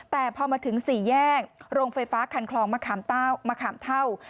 แต่พอมาถึง๔แยกโรงไฟฟ้าคันคลองมะขามเท่า